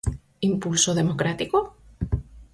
¿Impulso democrático?